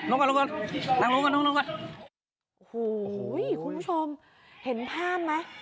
โอ้โฮคุณผู้ชมเห็นภาพไหม